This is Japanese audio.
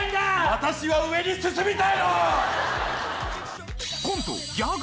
私は上に進みたいの！